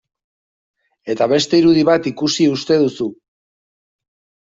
Eta beste irudi bat ikusi uste duzu...